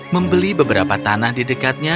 membeli beberapa tanah di dekatnya